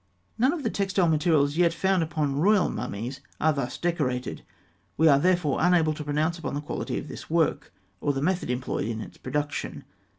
None of the textile materials yet found upon royal mummies are thus decorated; we are therefore unable to pronounce upon the quality of this work, or the method employed in its production.